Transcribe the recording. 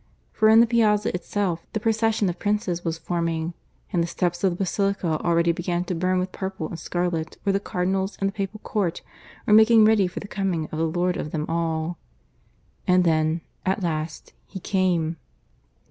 For in the piazza itself the procession of princes was forming; and the steps of the basilica already began to burn with purple and scarlet where the Cardinals and the Papal Court were making ready for the coming of the Lord of them all. And then, at last, he came.